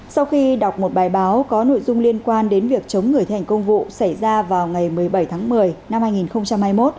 sau khi đọc một bài báo có nội dung liên quan đến việc chống người thi hành công vụ xảy ra vào ngày một mươi bảy tháng một mươi năm hai nghìn hai mươi một